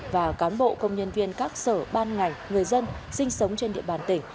và cán bộ công nhân viên các sở ban ngành người dân sinh sống trên địa bàn tỉnh